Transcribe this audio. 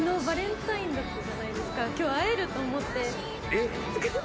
えっ？